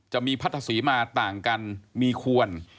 จะมีพัทธศรีมาต่างกันมีควร